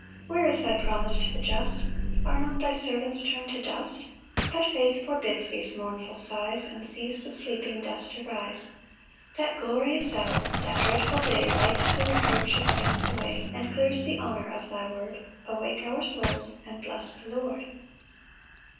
3 "Where is thy promise to the just? "Are not thy servants turn'd to dust?" But faith forbids these mournful sighs, And sees the sleeping dust arise. 4 That glorious hour, that dreadful day Wipes the reproach of saints away, And clears the honour of thy word; Awake our souls, and bless the Lord.